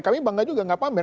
kami bangga juga nggak pamer